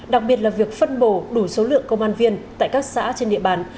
đặc biệt là việc phân bổ đủ số lượng công an viên tại các xã trên địa bàn